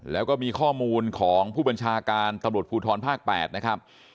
แล้วก็มีข้อมูลของผู้บัญชาการตำรวจภูทรภาค๘นะครับ